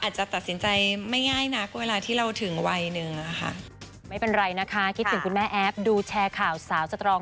หาพี่แม่พิธีกรไปก่อน